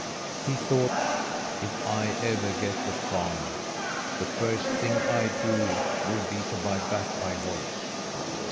He thought: "If I ever get the farm, the first thing I do will be to buy back my horse."